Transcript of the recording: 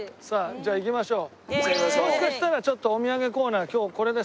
じゃあ行きましょう。